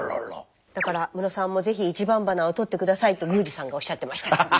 だからムロさんも是非１番花をとって下さいと宮司さんがおっしゃってました。